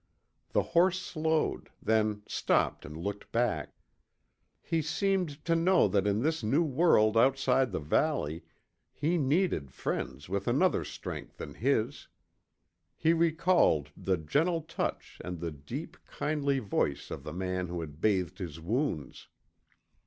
The horse slowed, then stopped and looked back. He seemed to know that in this new world outside the Valley he needed friends with another strength than his. He recalled the gentle touch and the deep, kindly voice of the man who had bathed his wounds.